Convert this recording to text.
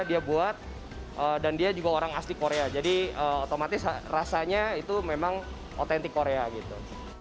dia buat dan dia juga orang asli korea jadi otomatis rasanya itu memang otentik korea gitu